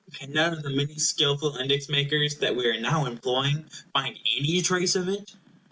Can none of the many skilful index makers that we are now employing find any trace of it?